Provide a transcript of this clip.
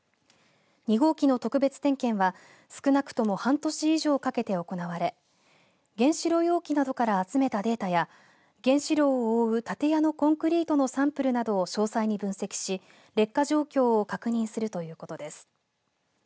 ２号機の特別点検は少なくとも半年以上かけて行われ原子炉容器などから集めたデータや原子炉を覆う建屋のコンクリートのサンプルなどを詳細に分析し劣化状況を確認するということです。